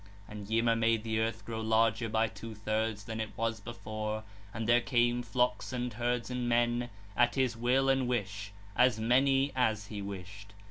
15. And Yima made the earth grow larger by two thirds than it was before, and there came flocks and herds and men, at his will and wish, as many as he wished.